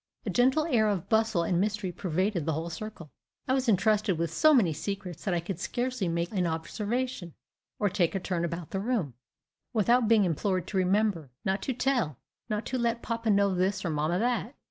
A gentle air of bustle and mystery pervaded the whole circle. I was intrusted with so many secrets that I could scarcely make an observation, or take a turn about the room, without being implored to "remember" "not to tell" not to let papa know this, or mamma that.